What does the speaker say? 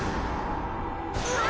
うわ！